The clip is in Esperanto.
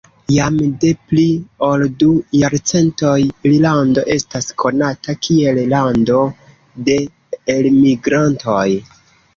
Jam de pli ol du jarcentoj Irlando estas konata kiel lando de elmigrantoj.